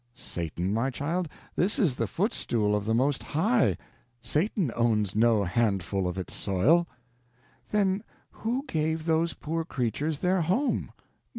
"Satan, my child? This is the footstool of the Most High—Satan owns no handful of its soil." "Then who gave those poor creatures their home?